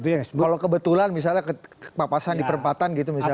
kalau kebetulan misalnya papasan di perempatan gitu misalnya